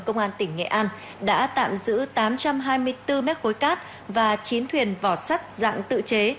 công an tỉnh nghệ an đã tạm giữ tám trăm hai mươi bốn mét khối cát và chín thuyền vỏ sắt dạng tự chế